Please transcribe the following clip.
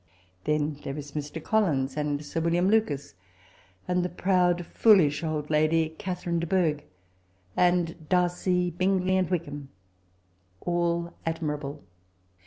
Then there is Mr. Collins, and Sir William Lucas, and the proud foolish old lady Catherine de Bough, and Diu cy, Bingley, and Wickham, all admirable.